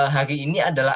hari ini adalah